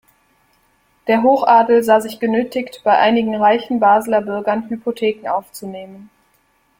Der Hochadel sah sich genötigt, bei einigen reichen Basler Bürgern Hypotheken aufzunehmen.